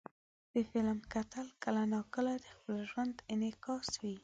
د فلم کتل کله ناکله د خپل ژوند انعکاس وي.